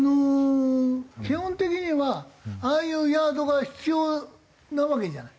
基本的にはああいうヤードが必要なわけじゃない？